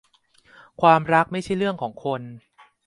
ความรักไม่ใช่เรื่องของคน